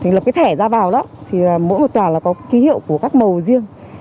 thì lập cái thẻ ra vào đó thì mỗi một toàn là có ký hiệu của các màu riêng